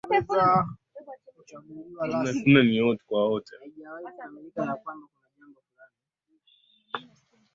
Umerejesha na furaha yangu usoni.